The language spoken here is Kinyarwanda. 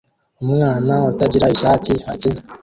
Umwana utagira ishati akina